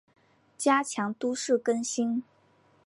加强都市更新